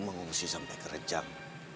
mengungsi sampai ke rejang